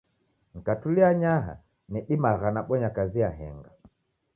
Nikatulia anyaha, nidimagha nabonya kazi yahenga.